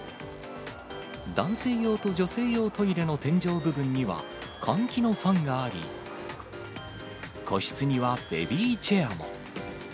男性用と女性トイレの天井部分には、換気のファンがあり、個室にはベビーチェアも。